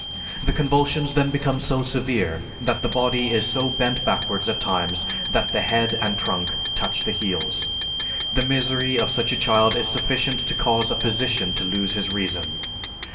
The convulsions then become so severe that the body is so bent backwards at times that the head and trunk touch the heels. The misery of such a child is sufficient to cause a physician to lose his reason.